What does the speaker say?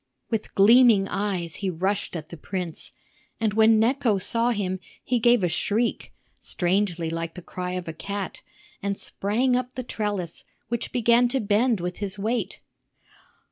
With gleaming eyes he rushed at the prince; and when Necho saw him, he gave a shriek (strangely like the cry of a cat) and sprang up the trellis, which began to bend with his weight.